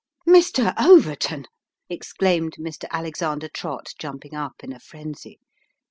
" Mr. Overton !" exclaimed Mr. Alexander Trott, jumping up in a frenzy.